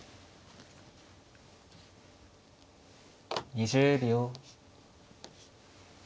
２０秒。